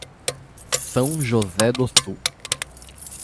São José do Sul